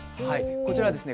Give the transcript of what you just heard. こちらはですね